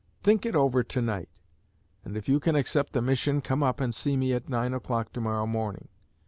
Think it over tonight, and if you can accept the mission come up and see me at nine o'clock tomorrow morning.'